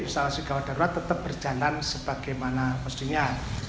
salah satu kawasan darurat tetap berjalan sebagaimana mestinya